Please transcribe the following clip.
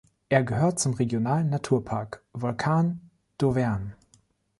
Es gehört zum Regionalen Naturpark Volcans d’Auvergne.